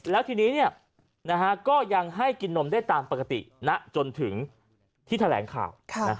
แล้วทีนี้ก็ยังให้กินนมได้ตามปกติณจนถึงที่แถลงข่าว